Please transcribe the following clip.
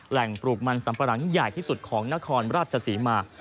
แหล่งปลูกมันสัมปรังใหญ่ที่สุดของนครราชสีมา